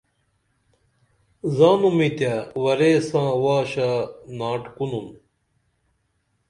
زانُمی تے ورے ساں واشہ ناٹ کُنُن